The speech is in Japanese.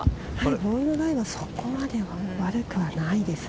ボールのライはそこまで悪くはないです。